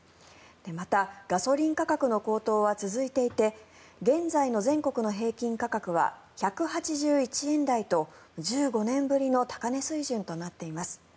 また、ガソリン価格の高騰は続いていて現在の全国の平均価格は１８１円台と１５年ぶりの高値水準となっています。